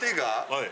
はい。